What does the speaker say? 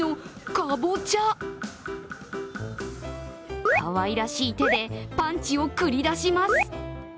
かわいらしい手でパンチを繰り出します。